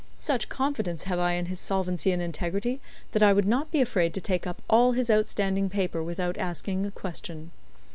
Such confidence have I in his solvency and integrity that I would not be afraid to take up all his outstanding paper without asking a question.